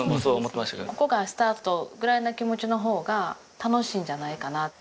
ここがスタートぐらいな気持ちの方が楽しいんじゃないかな。